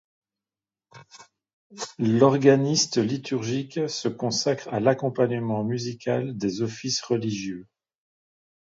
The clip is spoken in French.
L'organiste liturgique se consacre à l'accompagnement musical des offices religieux.